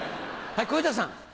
はい小遊三さん。